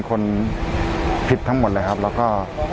คนผิดทั้งหมดเลยครับแล้วก็